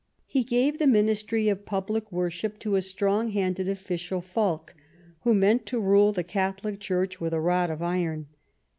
He gave the Ministry of Public Worship to a strong handed official, Fa Ik, who meant to rule the Catholic Church with a rod of iron.